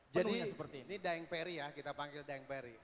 seperti ini daeng peri ya kita panggil daeng peri